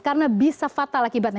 karena bisa fatal akibatnya